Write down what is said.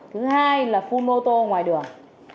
thứ hai là phun ô tô ngoài đường